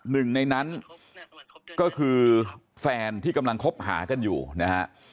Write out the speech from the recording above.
หนึ่งในนั้นก็คือแฟนที่กำลังคบหากันอยู่นะฮะ